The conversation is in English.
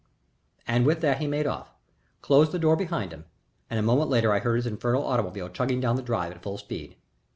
And with that he made off, closing the door behind him, and a moment later I heard his infernal automobile chugging down the drive at full speed.